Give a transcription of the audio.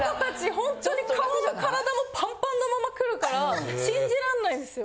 ほんとに顔も体もパンパンなまま来るから信じらんないんですよ。